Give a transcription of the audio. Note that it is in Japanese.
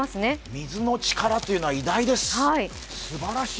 水の力というのは偉大です、すばらしい。